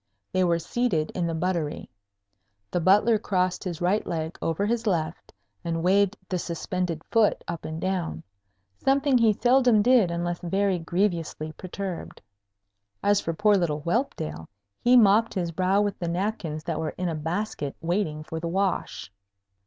They were seated in the buttery. The Butler crossed his right leg over his left, and waved the suspended foot up and down, something he seldom did unless very grievously perturbed. As for poor little Whelpdale, he mopped his brow with the napkins that were in a basket waiting for the wash.